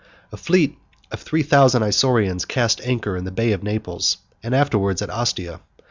A fleet of three thousand Isaurians cast anchor in the Bay of Naples and afterwards at Ostia.